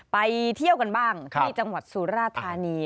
ไปเที่ยวกันบ้างที่จังหวัดสุราธานี